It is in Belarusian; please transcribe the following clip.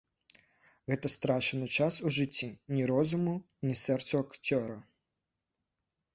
Гэта страчаны час у жыцці, ні розуму, ні сэрцу акцёра.